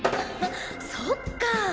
そっか！